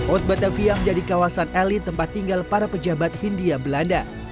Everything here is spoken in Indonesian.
ot batavia menjadi kawasan elit tempat tinggal para pejabat hindia belanda